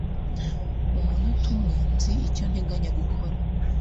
umunota umwe nzi icyo nteganya gukora